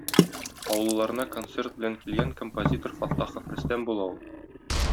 Авылларына концерт белән килгән композитор Фаттахов Рөстәм була ул.